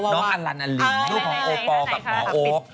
น้องอัลลันอัลลินลูกของโอปอลกับหมอโอ๊ค